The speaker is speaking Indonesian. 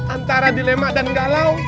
antara dilema dan galau